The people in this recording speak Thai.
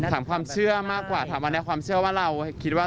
ถามความเชื่อมากกว่าถามมาในความเชื่อว่าเราคิดว่า